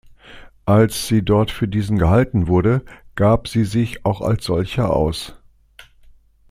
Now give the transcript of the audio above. Als sie dort für diesen gehalten wurde, gab sie sich auch als solcher aus.